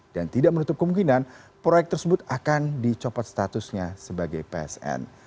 dan tidak menutup kemungkinan proyek tersebut akan dicopot statusnya sebagai psn